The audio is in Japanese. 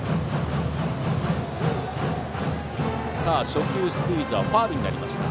初球スクイズはファウルになりました。